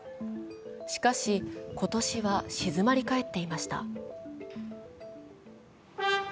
しかし今年は静まり返っていました。